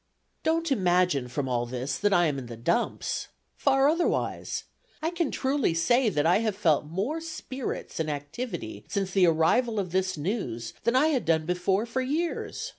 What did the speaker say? "Don't imagine from all this that I am in the dumps. Far otherwise. I can truly say that I have felt more spirits and activity since the arrival of this news than I had done before for years.